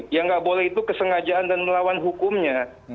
yang nggak boleh itu kesengajaan dan melawan hukumnya